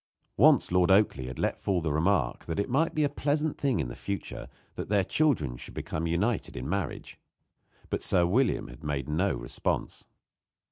Once Lord Oakleigh had let fall the remark that it might be a pleasant thing in the future that their children should become united in marriage; but Sir William had made no response.